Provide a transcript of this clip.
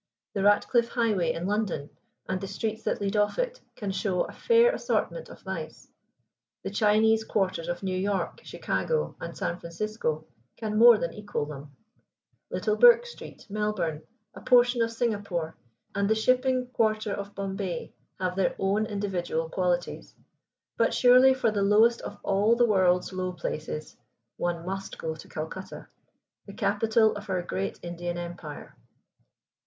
The Ratcliffe Highway in London, and the streets that lead off it, can show a fair assortment of vice; the Chinese quarters of New York, Chicago, and San Francisco can more than equal them; Little Bourke Street, Melbourne, a portion of Singapore, and the shipping quarter of Bombay, have their own individual qualities, but surely for the lowest of all the world's low places one must go to Calcutta, the capital of our great Indian Empire.